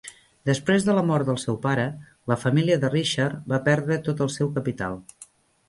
Després de la mort del seu pare, la família de Richard va perdre tot el seu capital.